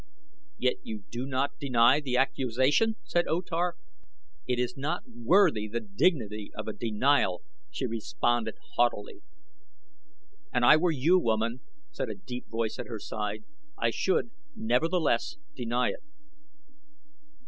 "Yet you do not deny the accusation," said O Tar. "It is not worthy the dignity of a denial," she responded haughtily. "And I were you, woman," said a deep voice at her side, "I should, nevertheless, deny it."